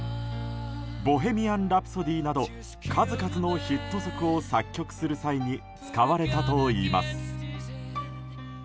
「ボヘミアン・ラプソディ」など数々のヒット曲を作曲する際に使われたといいます。